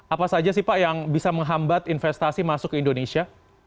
apa saja sih pak yang bisa menghambat investasi masuk ke indonesia